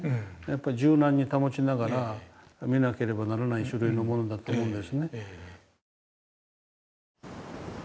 やっぱり柔軟に保ちながら見なければならない種類のものだと思うんですね。